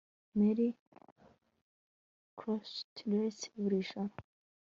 Mary crochets lace buri joro